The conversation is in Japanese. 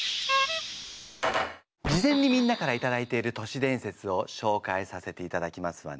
事前にみんなからいただいている年伝説を紹介させていただきますわね。